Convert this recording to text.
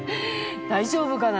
大丈夫かな？